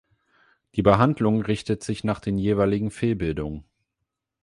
Die Behandlung richtet sich nach den jeweiligen Fehlbildungen.